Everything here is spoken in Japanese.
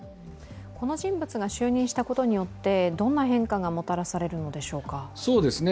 この人物が就任したことによって、どんな変化がもたらされるのでしょうか？